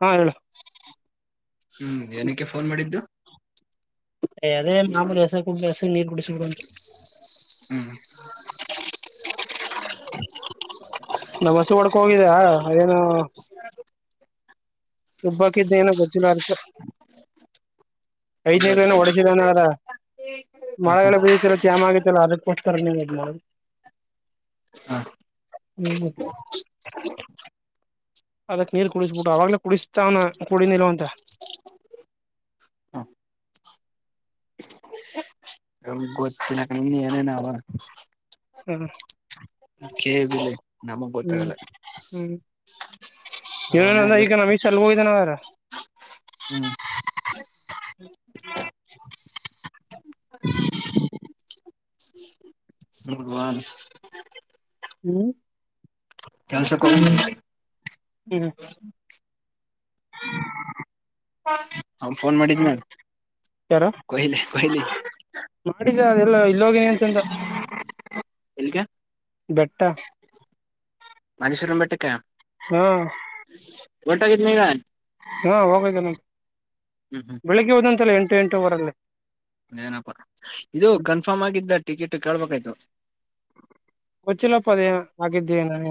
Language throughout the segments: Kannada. ಹಾ ಹೇಳು ಹ್ಮ್ ಏನಕ್ಕೆ ಫೋನ್ ಮಾಡಿದ್ದು ಅದೇ ನಾ್ು ಎಸ ಕು ಎಸ ನೀರ್ ಕುಡಿಸೊಂಡು ಹ್ಮ್ [inaudible] [unintelligible] ಹ ನಮಸ್ತಿ ಒಡ್ಕ ಹೋಗಿದ್ಯಾ ಏನು ತುಬ್ಬಾಕಿದ್ದ ಏನೋ ಗೊಜ್ಜುಲಾರತ ಇವತ್ತು ಐದ್ನ ಒ ಹೊಡೆಸಿದನ ಅರ ಹ ಮಳೆಗಳು ಬುದತಿಲ್ಲ ಚಾಮ ಆಗೆ ಲ್ಲ ಅದಕ್ಕೋಸ್ತರ ನೀವು ಹಾ ಹ್ಮ್ ಅದಕ್ ನೀರ್ ಕುಡಿಸ್ಬಿಟ್ಟು ಅವಾಗ್ಲ ಕುಡಿಸ್ತಾನ ಕುಡಿನಲ್ವ ಅಂತ ಹ ನಮ್ಗೆ ಗೊತ್ತಿಲ್ಲ ನಿಮ ಏನೇನಾವ ಹ್ಮ್ ಕೆ ಬಲೆ ಹ್ಮ್ ಹ್ಮ್ ಏನೇನ ಅವನ್ನ ಅಂದ್ರ ಎಲ್ಲ ಈಗ ನಮ್ ಈಸ ಎಲ್ ಹೋಗಿದನ ಅವಾರ ಹ್ಮ್ ಭಗವನ್ ಹ್ಮ್ ಕೆನ್ಸಕ ಹ್ಮ ಅವ್ ಫೋನ್ ಹ ಮಾಡಿದ್ನ ಯಾರ ಕೊಹ್ಲಿ ಕೊಹ್ಲಿ ಮಾಡಿದ ಅದೆಲ್ಲ ಇಲ್ಲೋಗೇನಂತಂತ ಎಲ್ಲಿಗೆ ಬೆಟ್ಟ ಮನುಷ್ವರಂಬೆಟ್ಟಕ್ಕ ಹಾ ಗಊಟ ಕತ್ನಗ ಹಾ ಹೋಗಯ್ತ ನನ್ ಬೆಳಿಗ್ಗೆ ಹೋದಂತೆಲ್ಲ ಎಂಟ ಎಂಟೂರಲ್ಲಿ [inaudible] ನಪ್ಪಾ ಇದು ಹ್ಮ್ ಕನ್ಫರ್ಮ್ ಆಗಿದ್ದ ಟಿಕೆಟ್ ಕೇಳ್ಬೇಕಾಯ್ತು [inaudible] ಹಚ್ಚಿಲ್ಲಪ್ಪ ಅದೇ ಆಗಿದ್ದೇನ [unintelligible]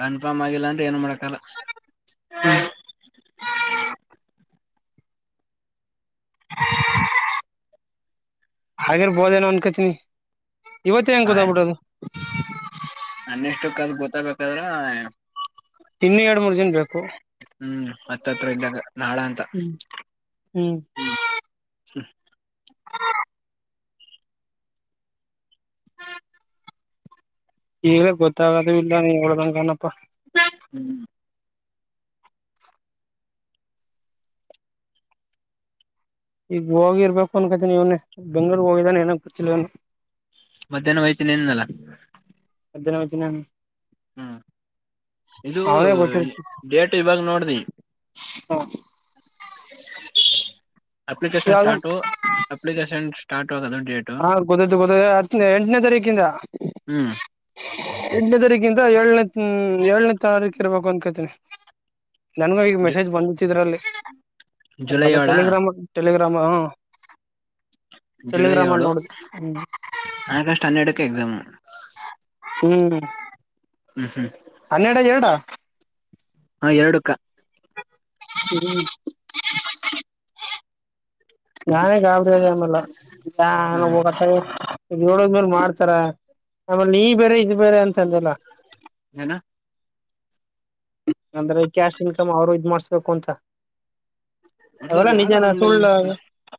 ಕನ್ಫರ್ಮ್ ಆಗಿಲ್ಲ ಅಂದ್ರೆ ಏನು ಮಾಡಕಲ್ಲ ಹ್ಮ್ [unintelligible] ಹಾಗಿರ್ಬೋದೇನೋ ಅಂದಕಚಿನಿ [unintelligible] ಇವತ್ತ ಹೆನ್ ಕೂತ್ಬಿಡದು [unintelligible] [inaudible] ನನ್ನೆಷ್ಟು ಕಲ್ ಗೊತ್ತಬೇಕಾದ್ರ ತಿನ್ನ ಎರಡು ಮೂ ಜನ್ ಬೇಕು [unintelligible] ಹ್ಮ್ ಮತ್ತತ್ರ ಇದ್ದಾಗ ನಾಳ ಅಂತ ಹ್ಮ್ ಹ್ಮ್ [inaudible] ಸರಿ [inaudible] ಹ್ಮ [unintelligible] ಈಗ ಗೊತ್ತಾಗದು ಇಲ್ಲ ನೀ ಹೇಳೋಡ್ದಂಗ ಅನಪ್ಪಾ ಹ್ಮ್ [inaudible] ಈಗ ಹೋಗಿರ್ಬೇಕು ಅನ್ಕತನಿವನ ಬೆಂಗಂಗಳೂಗ್ ಹೋಗಿದಾನ ಏನ ಗೊತ್ತಿಲ್ಲವನ [unintelligible] ಮಧ್ಯಾಹ್ನ ವೈತನ ನಿನಲ್ಲ [unintelligible] ಮಜಿನ ಮಜನ [inaudible] ಹ್ಮ್ ಇದು ಅವನೇ ಡೇಟ್ ಇವಾಗ ನೋಡ್ದಿ [unintelligible] ಹಾ [inaudible] ಅಪ್ಲಿಕೇಶನ್ ಸ್ಟಾರ್ಟ ಅಪ್ಲಿಕೇಶನ್ ಸ್ಟಾರ್ಟ್ ಆಗೋದು ಡೇಟು ಹಾ ಗೊದದ್ದು ಗೊ ಹತ್ನ ಎಂಟನೇ ತಾರೀಕಿಂದ ಹ್ಮ್ ಎಂಟನೇ ತಾರೀಕಿಂದ ಏಳ್ನೇ ಏಳನೇ ತಾರೀಕು ಇರ್ಬೇಕು ಅನ್ಕೇತೀನಿ [unintelligible] ನನ್ಗ ಈಗ ಜು ಮೆಸೇಜ್ ಬಂದಿತ್ತಿದ್ರಲ್ಲಿ ಸ ಜುಲೈ ಅ ಏಳ ಟಲಿಗ್ರಾಮ್ಟ [inaudible] ಆರಾಮ ಹ್ಮ [inaudible] ಜುಲೈ ಆಳ ಹ್ಮ್ ಆಗಷ್ಟಟ್ ಅನ್ನೆಡುಕ್ಕೆ ಎಕ್ಸಾಮ್ [unintelligible] ಹ್ಮ್ ಹ್ಮ್ ಹ್ಮ್ ಹನ್ನೆರಡ ಎರಡ ಹ ಎರಡುಕ್ಕ [unintelligible] ಹ [inaudible] [inaudible] ನಾನೇ ಗಾಬರಿ ಅಜ ಆಮಲ್ಲ ಹ್ಮ್ [unintelligible] ಏಡೋದ್ಮೇಲೆ ಮಾಡ್ತಾರ ಆಮೇಲೆ ನೀ ಬೇರೆ ಇ ಬೇರೆ ಅಂತಲ್ಲಲ್ಲ ಏನ [unintelligible] ಅಂದ್ರೆ ಕ್ಯಾಶ್ ಇನ್ಕಮ್ ಅವರು ಇದ್ ಮಾಡ್ಸ್ಬೇಕು ಅಂತ ಮೊದ್ಲ ಅದ್ ಅವಲ್ಲಾ ಯಾರು ನಿಜಾನ ಸುಳ್ಳಲ ಅಂದಂಗಿತ್ತು ಹ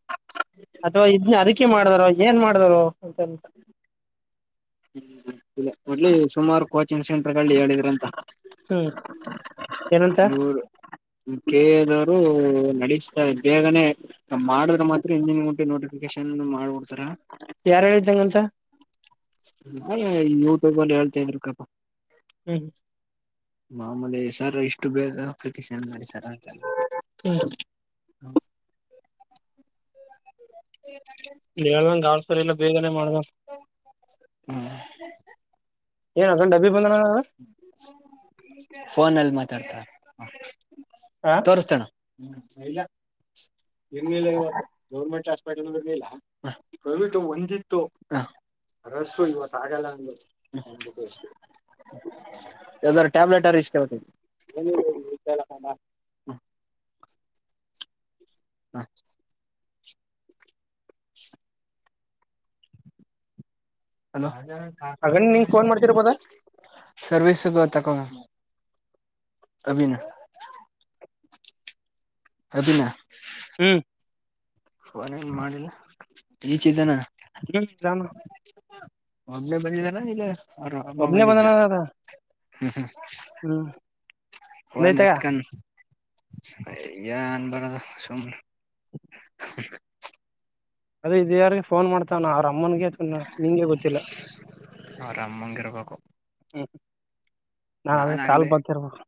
[inaudible] ಅಥವಾ ಇದನ್ನು ಅರಿ ಸೋಮವಾರ ರಜಾ ಇನ್ನೂ ಯಾವಾಗದರೂ ರಜಾ ಅಂತ ಹೂ ಇಲ್ಲಿ ಸುಮಾರ ಕೋತಿ ಚ ಸೆಂಟ್ರ ಕಳ್ಳಿ ಹೇಳಿದ್ರ ಅಂತ [unintelligible] ಹ್ಮ್ ಏನಂತ ನೀನು ಕೇಳೋದು ಬೇರೆ ನಡೀತಾ ಬೇಗನೆ ಮಾಡಿದ್ರೆ ಮಾತ್ರ ಇಿನನ್ಂಟಿ ನೋಟಿಫಿಕೇಶನ್ [inaudible] ಯಾರ ಹೇಳಿದ್ದು ಹಾಗೇ ಅಂತ ಅ ಯೂಟ್ಯೂಬ್ ನಲ್ಲಿ ಹೇಳ್ತಾ ಇದ್ರು ಕಣಪ್ಪ ಹ್ಮ್್ಮ ಮಾಮೂಲೆ ಸರ್ ಇಷ್ಟು ಬೇಗ ಪಿಟಿಶನ್ ಮಾಡಿಸಿ ಕಡ [inaudible] [inaudible] [unintelligible] ಎನ್ ಹೇಳು ನೀ ಹೇಳಿದಂಗ್ ಅ ಸರಿಲ್ಲ ಬೇಗನೆ ಮಾಡ್ಬೇಕ್ ಹು ಎನ್ ಬಂದ ಬೀಮ್ ಫೋನ್ ಅಲ್ ಮಾತ್ ತಾ ತಾ ಮ ಹ ತೋರಿಸ್ತನಾ ಹ್ಮ್ ಇಲ್ಲ ಇರ್ಲಿಲ್ಲ ಇವತ್ತು ಗೌರ್ಮೆಂಟ್ ಹಾಸ್ಪಿಟಲ್ರ್ಲಿಲ್ಲ ಕೋವಿಟ್ ಒಂದಿತ್ತು ಅದಕ್ಕೆ ಇವತ್ತು ಆಗಲ್ಲ ಅಂದರು ಯಾವುದಾರ್ ಟ್ಯಾಬ್ಲೆಟ್ ಇಸ್ಕೊಬೇಕಿತ್ತು [unintelligible] ಹಾ ಹಲೋ ಹಗಲೇ ನನೀನೂ ಫೋನ್ ಮಾಡ್ತಿರ್ಬೋದ ಸರ್ವಿಸ ಇದೇ ತೊಗೊಮ್ ಅಭಿನ ಅಭಿನ ಹ್ಮ್ ಫೋನ್ ಏನು ಮಾಡಿಲ ಇಚ್ ಇದಾನ ಹ್ಮ್ ನಾನ ಒಬ್ಬನೇ ಬಂದಿದ್ದಾನ ಇಲ್ಲ ಅವ್ರ್ ಅಮ್ಮ ಒಬ್ನೇ ಬಂದಿದ್ದ ಬಂದನ ಅದ ಹ್ಮ್ ಹ್ಮ ಹ್ಮ್ ಫೋನ್ ಒಂದೈತಗ ಎತ್ಕಂಡ್ ಹೆ ಏನ್ ಮಾಡಣ ಸುಮ್ನ್ [unintelligible] ಅದೇ ಇದು ಯಾರಗೆ ಫೋನ್ ಮಾಡ್ತಾನೆ ಅವ್ರ ಅಮ್ ಅಮ್ಮನಗೆ ಏತ್ಕಂಡನ ನಿಂಗೆ ಗೊತ್ತಿಲ್ಲ ಅವ್ರ ನಾನ್ ಅದ ನಾಾನ ಕಾಲ್ ಆಗ್ಲೆ ಬರ್ತಿರ್ಬೇಕು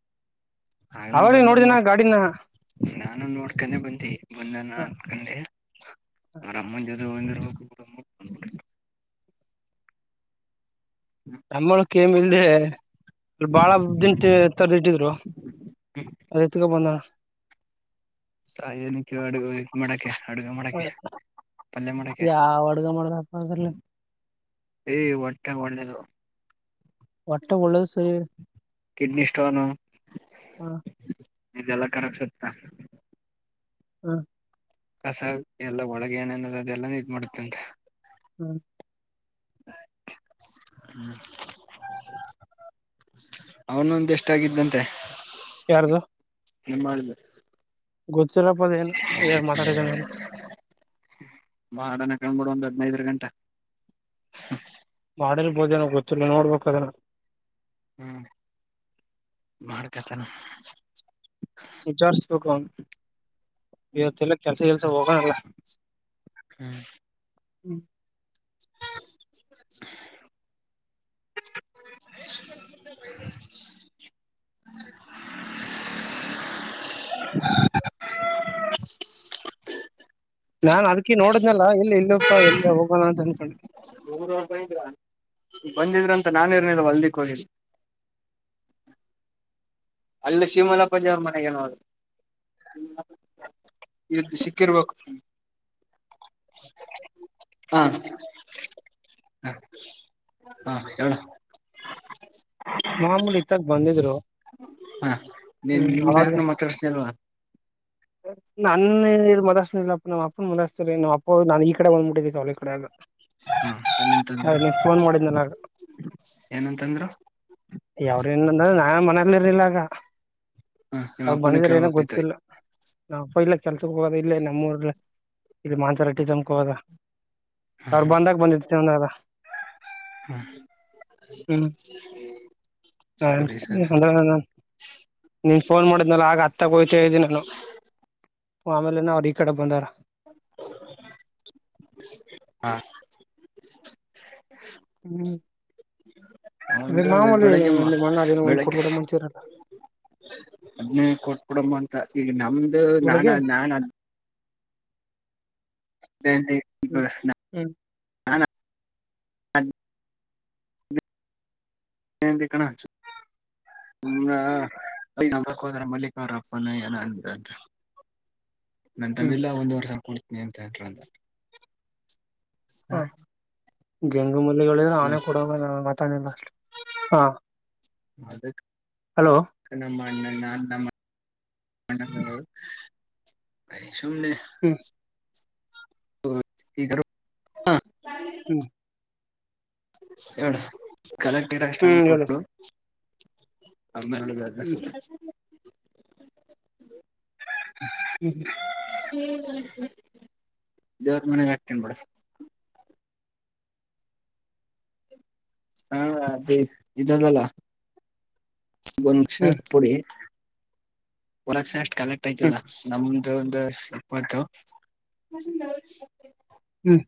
ಆಗ್ಲೆ ಅವಾಗ ಬಂದ ನೋಡಿದಿನ ನೋ ಗಾಡಿನ ನಾನು ನೋಡ್ಕೊಂಡೆ ಬಂತಿ ಬಂದ ನಾನ್ಕಂಡೆ ನ ಅವ್ರ್ಮ್ಮ ಜೊತೆ ಹೋಗಿರ್ಬೇಕು [unintelligible] ಅಮ್ಮ ಕೆ ಮೆಲ್ದೆ ಅಲ್ಲಿ ಬಾಳ ದಂಟ ತರದಿಟ್ಟಿದ್ರು ಅದ್ ಎತ್ಕೊ ಬಂದ ಸಾಯ ಎನಕ್ಕೆ ಅಡು ಮಡಕೆ ಅಡುಗ ಮಡಕೆ ಪಲ್ಲೆ ಮಡಕೆ ಯಾವ ಅಡ್ಗ ಮಾಡ್ದಪ್ಪ ಅದ್ರಲ್ಲಿ ಏ ಒಟ ಒಡ್ದೆದು ಒಟ್ಟೆ ಒಳ್ಳದು ಸೈ ಕಿಡ್ನಿ ಸ್ಟೋನು. ಹಾ. ಇಲ್ಲಲ್ಲೆ ಕನಕ್ಸುತ್ತ ಹ್ಮ ಕಸ ಎಲ್ಲ ಒಳಗೆ ಏನನದ ಅದೆಲ್ಲಾನ ಇದ್ ಮಾಡ್ಕಂತ ಹ್ಮ್ ಹ್ಮ ಅವನೊಂದು ಎಷ್ಟಾಗಿತ್ತಂತೆ? ಯಾರ್ದು ಹಿಮಾಲಯ ಗು ಚರಪ್ಪದ ಎನ್ ಏನ್ ಮಾತಾಡಿದ್ದಾನೆ? ಮಾಡನ ಕಂಡ್ಬಿಡು ಒಂದ್ [unintelligible] ಮಾಡಿರ್ಬೋದೇನೋ ಗೊತ್ತಿಲ್ಲ ನೋಡ್ಬೇಕದ್ರ. ಹ್ಮ ಬಾಳ ಕಥೆ ವಿಚಾರ್ಸಬೇಕನ್ ಇವತ್ತೆಲ್ಲ ಕೆಲ್ ಚಲ್ಸ ಹೋಗಾನಲ್ಲ. ಹ್ಮ್ ಹ್ಮ್ [unintelligible] [unintelligible] [unintelligible] ನಾ ಅದ್ಕಿ ನೋಡುದ್ನಲ್ಲ ಇಲ್ಲಿ ಇಲ್ಲ ಎಲ್ಲ ಹೊ [inaudible] ಬಂದಿದ್ರಂತ ನಾನಿರ್ನಿಲ್ಲ ಹೊಲ್ದಿಕೊಗಿದ್ದೆ. ಅಲ್ಲಿ ಸೀಮಲ ಪಜ ಅವರ ಮನೆಗೇನೊ ಹೋಗಿರ್ ಅದು ಎಷ್ಟು ಸಿಕ್ಕಿರ್ಬೇಕು? ಹಾ ಹ ಹಾ ಎಳ ನಾರ್ಮಲಿ ಹಾ ನೀನ್ ಹ್ಮ್ ನಿಮ್ದ ಅವಾಗ ಯಾರ್ನು ಮತಾಡಸ್ತಿಲ್ವಲಾ? ನನ್ ಏಜ್ ಮದಸ್ನ ಇಲ್ಲಪ್ಪ ನಮ್ಮ ಅಪ್ಪನ ಮದಾಸ್ತ ರೀ ನಮ್ಮ ಅಪ್ಪ ನಾನ್ ಈ ಕಡೆ ಬಂದ್ಬಿಟ್ಟಿದೀನ ಅವ ಕಡೆ ಎಲ್ಲ. ಹಾ ಏನಂತಂದ್ರ, ಮಾಡಿದ್ನಲ್ಲ ಏನಂತಂದ್ರರು? ಯಾವ್ರೇನ್ ಅಂದ್ರ ನಾ ಮನ ಅಲ್ಲಲ್ಲಿಲ್ಲಾಗ ಹ್ಮ ನಿಮ್ಮ ಅವ್ರು ಅಪ್ಪನ ಬಂದಿದ್ರ ಏನ ಕೇಳ್ಬೇಕಾಯ್ತು ಗೊತ್ತಿಲ್ಲ ನಮ್ಮಪ್ಮ ಇಲ್ಲೇ ಕೆಲ್ಸಕ್ಕೆ ಹೋಗೋದ ಇಲ್ಲಿ ನಮ್ಮೂರ್ ಇಲ್ಲಿ ಮನ್ಸಾರಿಟಿಸಮ್ಕ್ ಹೋದ. ಅವ್ರ ಬಂದಕ ಬಂದಿತ್ತು ಚಂದ ಅದ. ಹ್ಮ ಹ್ಮ್ ಹ ಸರಿ ಸರಿ ಅಣ ನಿನ್ ಫೋನ್ ಮಾಡಿ ಆಗ ಹತ್ತಗೋಯ್ತ ಇದ್ದಿ ನಾನು ಆಮೇಲಿನ್ನು ಅವ್ರ ಈ ಕಡೆ ಬಂದಾರ. ಹಾ [unintelligible] ಹ್ಮ್ ಇದು ಒಂದು ಮಾಮೂಲಿ ಬೆಳಗ್ಗೆ ನಿಮ್ಮ ಅಣ್ಣಾ ಅದೇನ ಒಂದ್ ಕೊಟ್ಟುಬಿಡೋಣ ಅಂತಿರಲ್ಲ ಅದ್ನೇ ಕೊಟ್ಟ್ ಬಿಡಮ್ಮ ಅಂತ ನಮದು ನಾನ ಬೆಳಿಗ್ಗೆ ನಾನ ಬೆ ಹ್ಮ್ ಹ್ಮ್ ಹಾ ಹ ಹೇ ವೆಂಕಿ ಕಣ ಹಚ್ಚ ಹ್ಮ ಹೋದ್ರ ಮಲ್ಲಿಕ ಅವರಪ್ಪನ ಏನ ಅಂತ ನನ್ನ ಹ್ಮ್ ತಮ್ಮಲೆ ಒಂದುವರೆ ಸಾವಿರ ನ್ಂತೇಟಂತ ಹಾ ಜಂಗ ಮು ಅವನೇ ಹೇಳಿದ್ರೆ ನೇಡ ತಷ್ಟ ಹಾ ಮಾಡಬೇಕ್ ಹಲೋ ಮಾಡ ನ ಮಾಡ ಅದು ಹೇ ಸುಮ್ಮನೆ ಹ್ಮ್ ಹ ಹ್ಮ್ ಹೇಳ ಕಲೆಕ್ಟ್ರ ಎಷ್ಟ ಹ್ಮ್ ಅಮೌಂಟ್ ಹೇಳು ಕೊಟ್ಟುರು [unintelligible] ಅಮ್ಮರಳು [unintelligible] ಹ್ಮ್ ಹ್ಮ್ ಹ್ಮ. ದೇವರ ಮನೆಗ ಹಾಕ್ತೀನ್ ಬುಡ ಹಾ ಅದೇ ಇದದಲ್ಲ. ಬನ್ಕ್ಷತ ಹ್ಮ್ ಪುಡಿ. ವರಕ್ಷ ಕಲೆಕ್ಟ್ ಹ್ಮ್ ಆಯ್ತದ ನಮ್ಮದ ಇದು ಒಂದು ಇಪ್ಪತ್ತು. ಹ್ಮ್.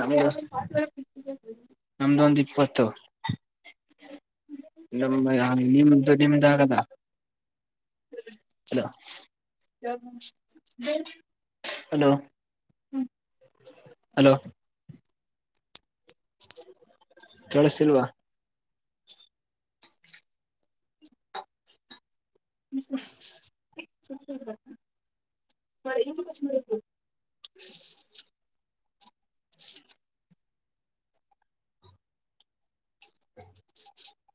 ನಮದ ನಮ್ಮ ದ್ವಂದ್ ಇಪ್ಪತ ಗತ್ತುಮ್ಮ ನಿಮ್ಮ್ದು ನಿಮ್ಮ್ದ ಆಗದಾ ಹಲೋ ಹಲೋ ಹ್ಮ್ ಹಲೋ ಕೇಳುಸ್ತಿಲ್ವಾ. [unintelligible] [unintelligible]